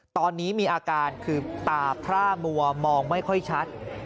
ตอนนี้มีอาการคือตาพร่ามัวมองไม่ค่อยชัด